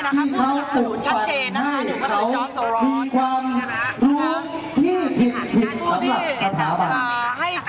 ที่เขาตุดฝันให้เขามีความรู้ที่ผิดขับหลักสถาบัน